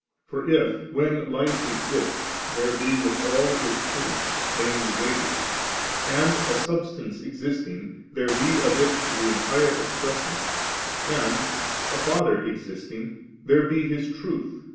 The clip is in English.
For if, when Light exists, there be withal its Image, viz. Ra diance, and, a Subsistence existing, tliere be of it the entire Expression, and, a Father ex isting, there be His Truth (viz.